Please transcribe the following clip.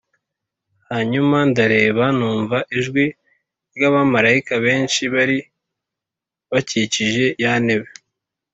Hanyuma ndareba numva ijwi ry’ abamarayika benshi bari bakikije ya ntebe